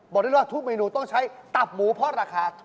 บอกได้เลยว่าทุกเมนูต้องใช้ตับหมูพอดราคา